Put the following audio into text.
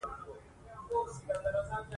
ښې ایندې ته امیدوار نه وي په پښتو ژبه.